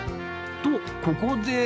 とここで